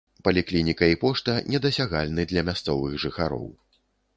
Паліклініка і пошта недасягальны для мясцовых жыхароў.